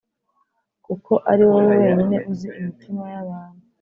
kuko ari wowe wenyine uzi imitima y’abantu;